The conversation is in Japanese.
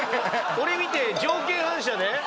俺見て、条件反射で？